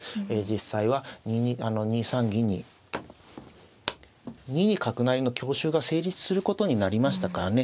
実際は２三銀に２二角成の強襲が成立することになりましたからね。